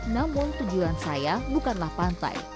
namun tujuan saya bukanlah pantai